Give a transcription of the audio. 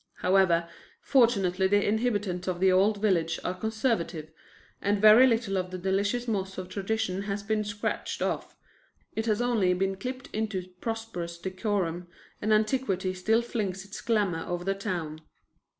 However, fortunately the inhabitants of the old village are conservative, and very little of the delicious moss of tradition has been scratched off; it has only been clipped into prosperous decorum, and antiquity still flings its glamour over the town.